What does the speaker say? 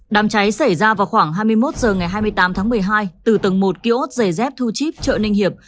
đám cháy xảy ra vào khoảng hai mươi một h ngày hai mươi tám tháng một mươi hai từ tầng một kiosk giày dép thu chip chợ ninh hiệp